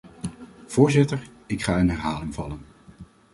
Voorzitter, ik ga in herhaling vallen.